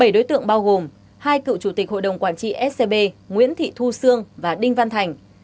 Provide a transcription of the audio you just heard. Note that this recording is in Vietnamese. bảy đối tượng bao gồm hai cựu chủ tịch hội đồng quản trị scb nguyễn thị thu sương và đinh văn thành